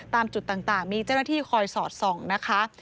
ตามจุดต่างมีเจ้าหน้าที่คอยสอดส่องนะคะ